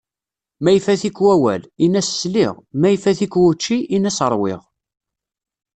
Ma ifat-ik wawal, ini-as sliɣ. Ma ifat-ik wučči, ini-as ṛwiɣ.